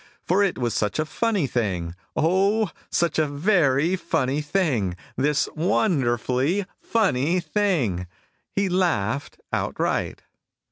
For it was such a funny thing, O, such a very funny thing, This wonderfully funny thing, He Laughed Outright.